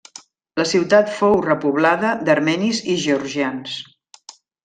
La ciutat fou repoblada d'armenis i georgians.